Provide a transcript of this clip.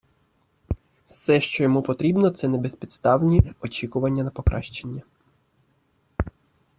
Все, що йому потрібно – це небезпідставні очікування на покращення.